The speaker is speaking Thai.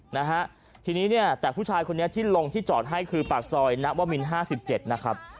นะฮะทีนี้เนี่ยแต่ผู้ชายคนนี้ที่ลงที่จอดให้คือปากซอยณวมินห้าสิบเจ็ดนะครับ